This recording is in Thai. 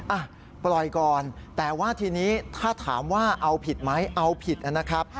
อ่ะปล่อยก่อนแต่ว่าทีนี้ถ้าถามว่าเอาผิดไหมเอาผิดนะครับ